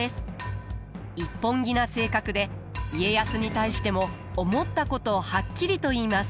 一本気な性格で家康に対しても思ったことをはっきりと言います。